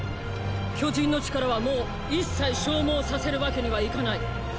巨人の力はもう一切消耗させるわけにはいかない！！